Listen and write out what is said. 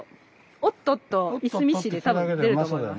「おっとっといすみ市」で多分出ると思います。